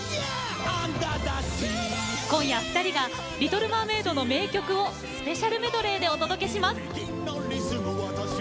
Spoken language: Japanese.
今夜２人が「リトル・マーメイド」の名曲をスペシャルメドレーでお届けします。